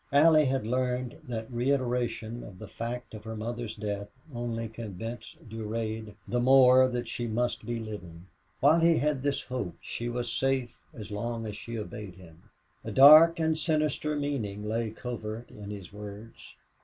Allie had learned that reiteration of the fact of her mother's death only convinced Durade the more that she must be living. While he had this hope she was safe so long as she obeyed him. A dark and sinister meaning lay covert in his words.